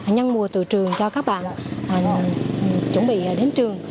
nhân mùa từ trường cho các bạn chuẩn bị đến trường